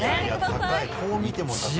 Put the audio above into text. こう見ても高い。